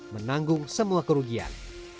menanggung semua kerugian